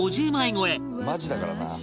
「マジだからな」